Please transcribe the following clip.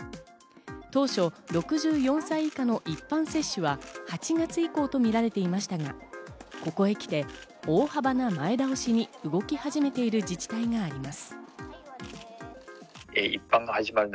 当初６４歳以下の一般接種は８月以降とみられていましたが、ここへ来て、大幅な前倒しに動き始めている自治体があります。